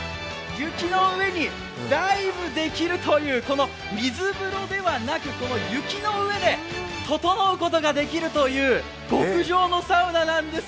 雪の上にダイブできるという、この水風呂ではなく、雪の上でととのうことができるという極上のサウナなんです。